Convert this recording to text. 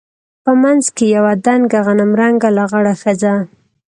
په منځ کښې يوه دنګه غنم رنګه لغړه ښځه.